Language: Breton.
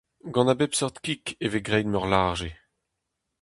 Gant a bep seurt kig e vez graet Meurlarjez.